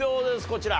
こちら。